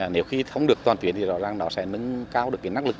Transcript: nếu khi không được toàn tuyến thì rõ ràng nó sẽ nâng cao được cái năng lực